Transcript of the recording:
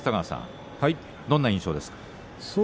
どんな印象ですか？